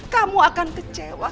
kamu akan kecewa